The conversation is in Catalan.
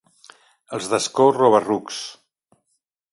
Els d'Ascó, roba-rucs.